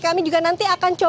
kami juga nanti akan coba